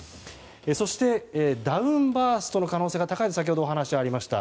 そして、ダウンバーストの可能性高いと先ほどお話がありました。